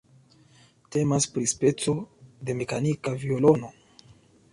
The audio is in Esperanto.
Temas pri speco de mekanika violono.